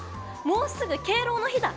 もうすぐ敬老の日だ！